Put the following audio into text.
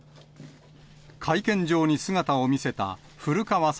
会見場に姿を見せた古川聡